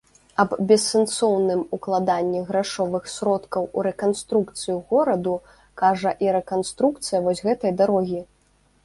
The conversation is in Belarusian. Аб бессэнсоўным укладанні грашовых сродкаў у рэканструкцыю гораду кажа і рэканструкцыя вось гэтай дарогі.